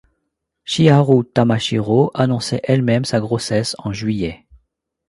Chiharu Tamashiro annonçait elle-même sa grossesse en juillet.